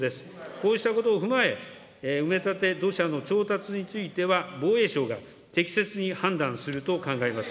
こうしたことを踏まえ、埋め立て土砂の調達については、防衛省が適切に判断すると考えます。